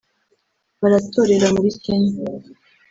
Baratorera muri Kenya